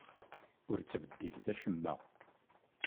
Ur ttbeddilet acemma!